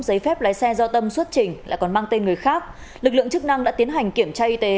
giấy phép lái xe do tâm xuất trình lại còn mang tên người khác lực lượng chức năng đã tiến hành kiểm tra y tế